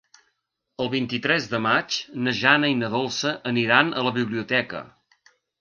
El vint-i-tres de maig na Jana i na Dolça aniran a la biblioteca.